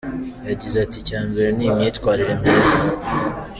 Yagize ati “Icya mbere ni imyitwarire myiza.